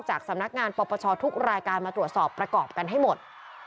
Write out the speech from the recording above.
จากสำนักงานปปชทุกรายการมาตรวจสอบประกอบกันให้หมด